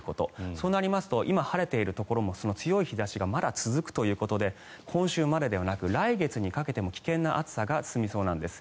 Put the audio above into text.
そうなりますと今、晴れているところも強い日差しがまだ続くということで今週までではなく来月にかけても危険な暑さが続きそうなんです。